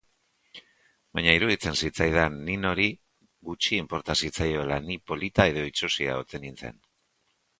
Baina iruditzen zitzaidan Ninori gutxi inporta zitzaiola ni polita edo itsusia ote nintzen.